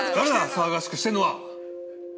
騒がしくしてんのは？